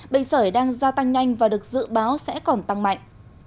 bệnh sởi đang gia tăng nhanh và được dự báo sẽ còn tăng mạnh